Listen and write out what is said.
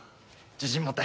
自信持って。